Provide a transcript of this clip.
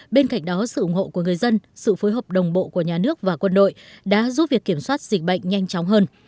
bên cạnh đó sự ủng hộ của người dân sự phối hợp đồng bộ của nhà nước và quân đội đã giúp việc kiểm soát dịch bệnh nhanh chóng hơn